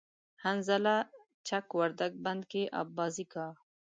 حنظله چک وردگ بند کی آبازی کا